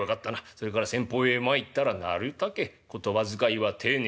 それから先方へ参ったらなるたけ言葉遣いは丁寧に。